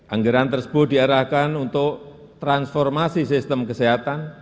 anggaran tersebut diarahkan untuk transformasi sistem kesehatan